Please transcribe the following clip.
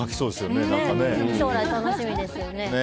将来楽しみですよね。